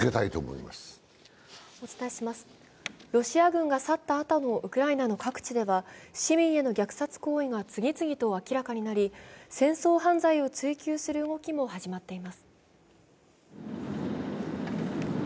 ロシア軍が去ったあともウクライナの各地では市民への虐殺行為が次々と明らかになり、戦争犯罪を追及する動きも始まっています。